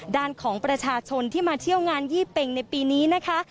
ด้านของประชาชนที่มาเที่ยวงานยี่เป็งในปีนี้นะคะ